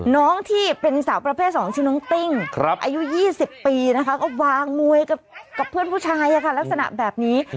น้องที่เป็นสาวประเภท๒ชื่อน้องติ้งอายุ๒๐ปีนะคะก็วางมวยกับเพื่อนผู้ชายลักษณะแบบนี้